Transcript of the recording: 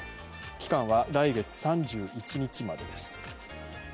期間は来月３１日までです。